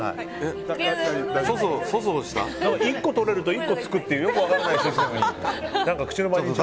１個取れると１個付くというよく分からない。